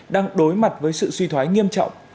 đang đối mặt với sự suy thoái nghiêm trọng